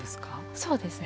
そうですね。